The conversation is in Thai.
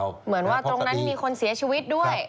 เหมือนว่าตรงนั้นมีคนเสียชีวิตด้วย